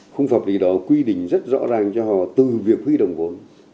khung pháp lý đó quy định rất rõ ràng cho họ từ việc huy động vốn